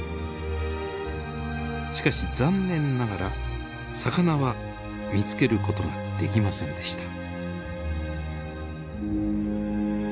しかし残念ながら魚は見つける事ができませんでした。